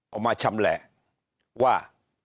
เอามาชำแหละว่า